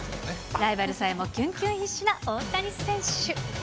ライバルさえもキュンキュン必至な大谷選手。